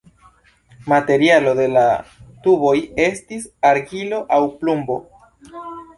Materialo de la tuboj estis argilo aŭ plumbo.